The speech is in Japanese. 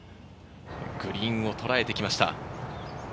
グリーンをとらえてきました。